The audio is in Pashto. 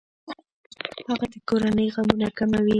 هغه د کورنۍ غمونه کموي.